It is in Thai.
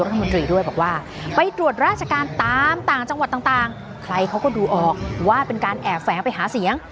รัฐมนตรีด้วยบอกว่าไปตรวจราชการตามต่างจังหวัดต่างใครเขาก็ดูออกว่าเป็นการแอบแฝงไปหาเสียง